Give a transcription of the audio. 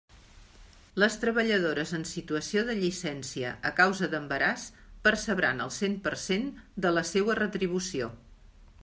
Les treballadores en situació de llicència a causa d'embaràs percebran el cent per cent de la seua retribució.